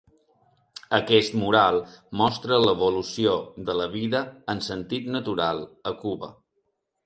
Aquest mural mostra l'evolució de la vida en sentit natural a Cuba.